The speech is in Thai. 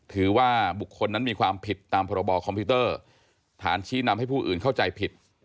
ถือว่าบุคคลนั้นมีความผิดตามพรบคอมพิวเตอร์ฐานชี้นำให้ผู้อื่นเข้าใจผิด